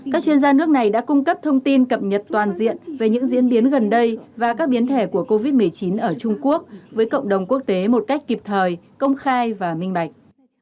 các chuyên gia nước này đã cung cấp thông tin cập nhật toàn diện về những diễn biến gần đây và các biến thể của covid một mươi chín ở trung quốc với cộng đồng quốc tế một cách kịp thời công khai và minh bạch